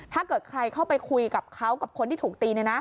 ถ้าเกิดใครเข้าไปคุยกับเขากับคนที่ถูกตี